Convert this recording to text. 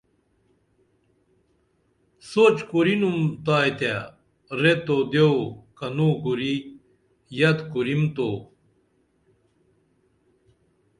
سوچ کُرئنُم تائیتے ریت او دیو کنو کُری یت کوریم تو